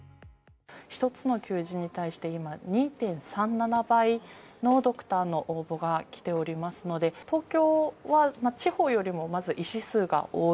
１つの求人に対して今、２．３７倍のドクターの応募が来ておりますので、東京は地方よりもまず医師数が多い。